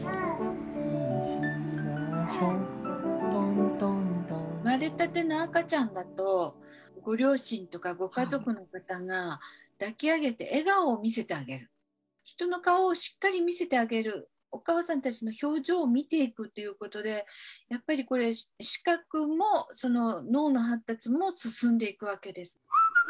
生まれたての赤ちゃんだとご両親とかご家族の方が抱き上げて笑顔を見せてあげる人の顔をしっかり見せてあげるお母さんたちの表情を見ていくということでやっぱりこれ視覚も脳の発達も進んでいくわけです。